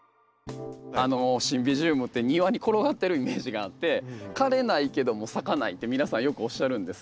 シンビジウムって庭に転がってるイメージがあって枯れないけども咲かないって皆さんよくおっしゃるんです。